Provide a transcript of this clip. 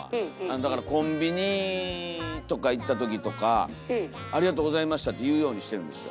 だからコンビニとか行った時とか「ありがとうございました」って言うようにしてるんですよ。